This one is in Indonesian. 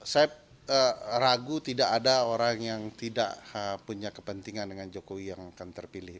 saya ragu tidak ada orang yang tidak punya kepentingan dengan jokowi yang akan terpilih